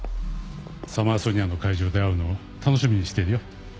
サマーソニアの会場で会うのを楽しみにしているよＥＩＫＯ。